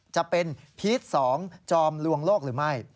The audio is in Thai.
จะเป็นพีช๒จอมลวงโลกหรือไม่